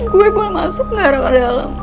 gue mau masuk gak raga dalem